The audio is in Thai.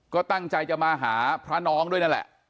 ก็ตั้งใจจะมาหาพระน้องด้วยนั่นแหละ